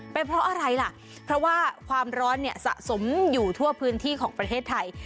เป็นเพราะอะไรล่ะเพราะว่าความร้อนเนี่ยสะสมอยู่ทั่วพื้นที่ของประเทศไทย